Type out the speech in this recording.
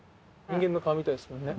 人間の顔みたいですね。